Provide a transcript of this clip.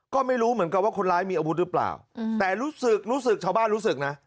ก็ไม่รู้เหมือนกันว่าคนร้ายมีอาวุธหรือเปล่าแต่รู้สึกรู้สึกชาวบ้านรู้สึกนะ